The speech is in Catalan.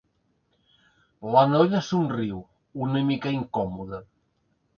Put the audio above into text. La noia somriu, una mica incòmoda.